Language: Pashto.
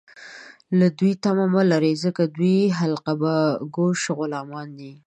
له دوی تمه مه لرئ ، ځکه دوی حلقه باګوش غلامان دي